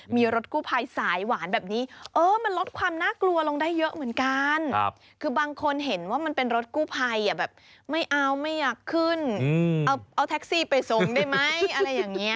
มีรถกู้ภัยสายหวานแบบนี้เออมันลดความน่ากลัวลงได้เยอะเหมือนกันคือบางคนเห็นว่ามันเป็นรถกู้ภัยแบบไม่เอาไม่อยากขึ้นเอาแท็กซี่ไปส่งได้ไหมอะไรอย่างนี้